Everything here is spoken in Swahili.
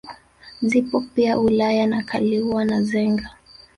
Zipo pia wilaya za Kaliua na Nzega